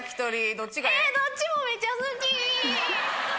どっちもめちゃ好き！